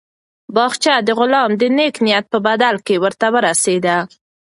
باغچه د غلام د نېک نیت په بدل کې ورته ورسېده.